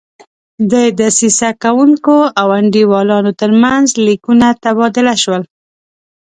د دسیسه کوونکو او انډیوالانو ترمنځ لیکونه تبادله شول.